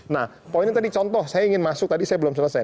nah poinnya tadi contoh saya ingin masuk tadi saya belum selesai